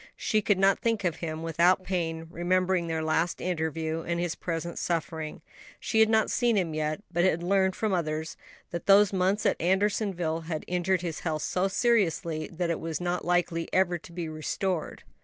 She could not think of him without pain, remembering their last interview and his present suffering. She had not seen him yet, but had learned from others that those months at Andersonville had injured his health so seriously that it was not likely ever to be restored.